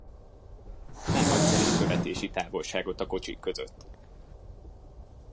Nem hagysz elég követési távolságot a kocsik között.